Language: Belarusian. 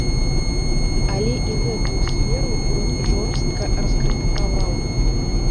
Але і гэтую сферу ён жорстка раскрытыкаваў.